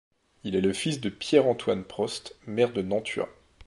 Il est le fils de Pierre-Antoine Prost, maire de Nantua.